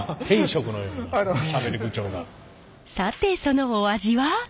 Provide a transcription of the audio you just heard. さてそのお味は？